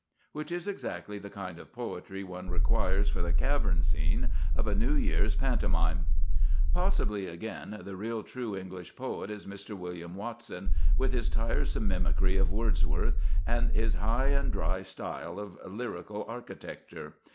Which is exactly the kind of poetry one requires for the cavern scene of a New Year's pantomime. Possibly, again, the real, true English poet is Mr. William Watson, with his tiresome mimicry of Wordsworth and his high and dry style of lyrical architecture.